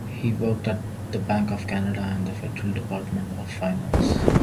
He worked at the Bank of Canada and the Federal Department of Finance.